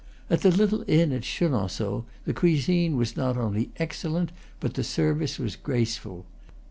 At the little inn at Chenon ceaux the cuisine was not only excellent, but the ser vice was graceful.